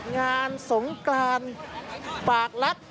งานสงกรรมปากรัส